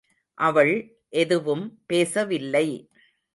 அவள் எதுவும் பேசவில்லை.